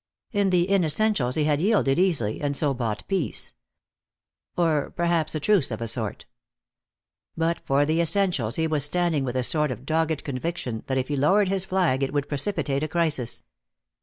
In the inessentials he had yielded easily, and so bought peace. Or perhaps a truce, of a sort. But for the essentials he was standing with a sort of dogged conviction that if he lowered his flag it would precipitate a crisis.